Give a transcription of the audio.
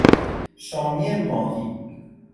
شامی ماهی